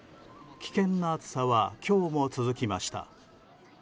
危険な暑さは今日も続きました。